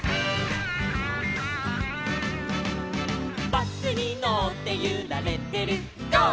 「バスにのってゆられてるゴー！